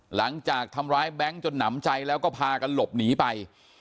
หลังจากทำร้ายแบงค์จนหนำใจแล้วก็พากันหลบหนีไป